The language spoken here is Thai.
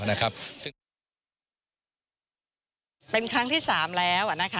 เป็นครั้งที่๓แล้ว